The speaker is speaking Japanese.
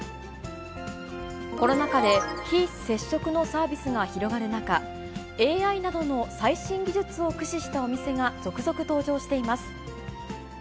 コロナ禍で、非接触のサービスが広がる中、ＡＩなどの最新技術を駆使したお店が続々登場しています。